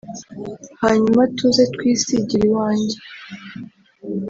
hanyuma tuze twisigire iwanjye”